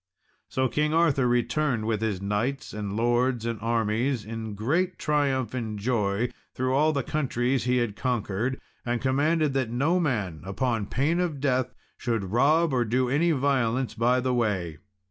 So King Arthur returned with his knights and lords and armies, in great triumph and joy, through all the countries he had conquered, and commanded that no man, upon pain of death, should rob or do any violence by the way.